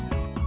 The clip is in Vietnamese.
tìm tinh thần